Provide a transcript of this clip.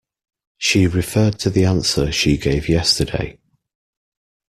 She referred to the answer she gave yesterday.